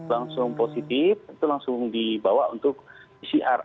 langsung positif itu langsung dibawa untuk pcr